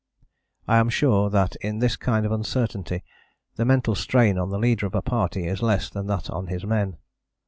I am sure that in this kind of uncertainty the mental strain on the leader of a party is less than that on his men.